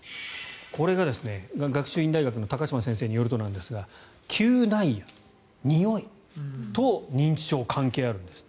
これが学習院大学の高島先生によるとなんですが嗅内野、においと認知症が関係あるんですって。